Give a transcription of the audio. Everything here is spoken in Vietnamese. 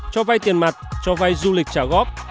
cho vay tiền mặt cho vay du lịch trả góp